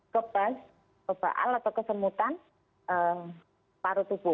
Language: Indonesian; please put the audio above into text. kebas kebaal atau kesemutan paru tubuh